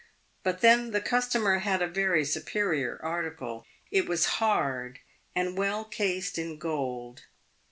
But then the customer had a very superior article. It was hard, and well cased in gold.